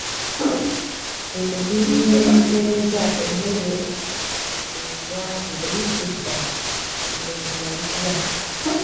Ebinywekereza emmere eya buli ludda omulenzi y’abigula.